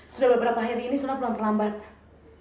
sudah beberapa hari ini sona pulang terlambat